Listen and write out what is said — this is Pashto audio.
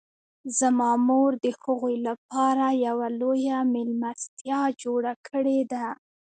زما مور د هغوی لپاره یوه لویه میلمستیا جوړه کړې ده